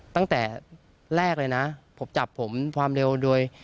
ตั้งแต่แรกเลยนะผมจับผมความเร็วโดย